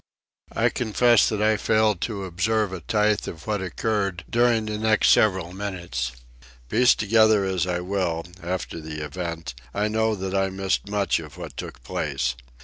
I confess that I failed to observe a tithe of what occurred during the next several minutes. Piece together as I will, after the event, I know that I missed much of what took place.